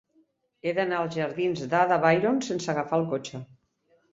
He d'anar als jardins d'Ada Byron sense agafar el cotxe.